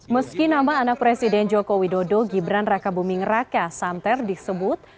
meski nama anak presiden joko widodo gibran raka buming raka santer disebut